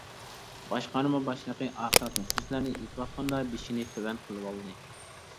باشقارما باشلىقى ئاخىرقى سۆزلەرنى ئېيتىۋاتقاندا بېشىنى تۆۋەن قىلىۋالدى.